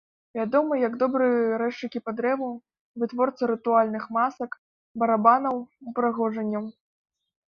Вядомыя як добрыя рэзчыкі па дрэву, вытворцы рытуальных масак, барабанаў, упрыгожанняў.